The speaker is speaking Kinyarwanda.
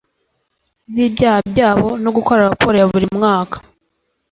Zibyaha byabo no Gukora raporo ya buri mwaka